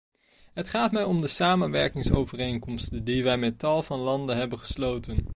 Het gaat mij om de samenwerkingsovereenkomsten die wij met tal van landen hebben gesloten.